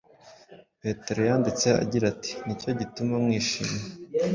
petero yanditse agira ati: “ni cyo gituma mwishima,